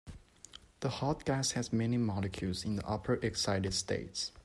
The hot gas has many molecules in the upper excited states.